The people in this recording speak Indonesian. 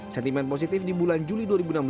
sentimen positif di bulan juli dua ribu enam belas